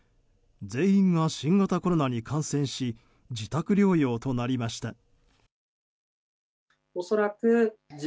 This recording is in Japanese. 全員が新型コロナに感染し自宅療養となりました。